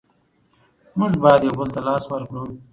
موږ بايد يو بل ته لاس ورکړو.